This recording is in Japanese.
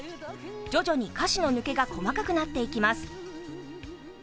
徐々に歌詞の抜けが細かくなっていきます。